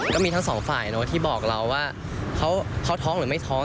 ก็มีทั้งสองฝ่ายที่บอกเราว่าเขาท้องหรือไม่ท้อง